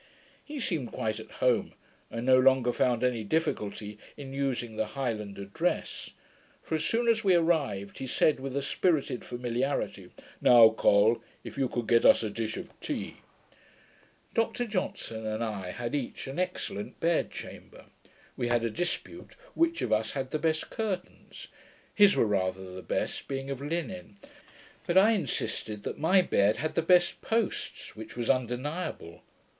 He seemed quite at home, and no longer found any difficulty in using the Highland address; for as soon as we arrived, he said, with a spirited familiarity, 'Now, COL, if you could get us a dish of tea,' Dr Johnson and I had each an excellent bed chamber. We had a dispute which of us had the best curtains. His were rather the best, being of linen; but I insisted that my bed had the best posts, which was undeniable.